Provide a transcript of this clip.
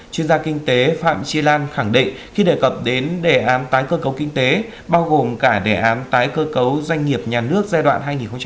chuyên gia kinh tế phạm chi lan khẳng định khi đề cập đến đề án tái cơ cấu kinh tế bao gồm cả đề án tái cơ cấu doanh nghiệp nhà nước giai đoạn hai nghìn một mươi sáu hai nghìn hai mươi